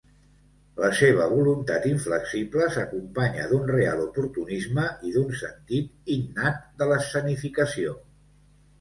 La seva voluntat inflexible s'acompanya d'un real oportunisme i d'un sentit innat de l'escenificació.